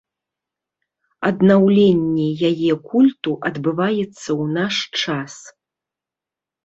Аднаўленне яе культу адбываецца ў наш час.